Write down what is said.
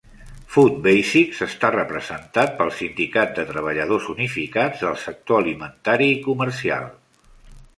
Food Basics està representat pel sindicat de treballadors unificats del sector alimentari i comercial.